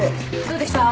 どうでした？